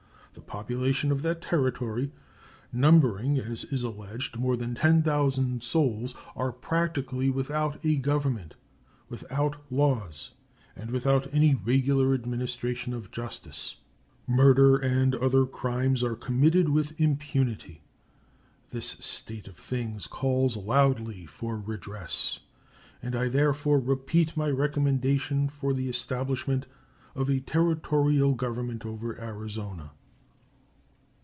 The population of that Territory, numbering, as is alleged, more than 10,000 souls, are practically without a government, without laws, and without any regular administration of justice. Murder and other crimes are committed with impunity. This state of things calls loudly for redress, and I therefore repeat my recommendation for the establishment of a Territorial government over Arizona.